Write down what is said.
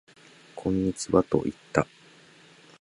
こんにちはと言った